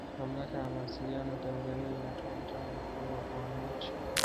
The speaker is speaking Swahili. Mamlaka ya Mawasiliano Tanzania inatoa mchango mkubwa kwa wananchi